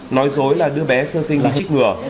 nói dối là đưa bé sơ sinh đi trích ngừa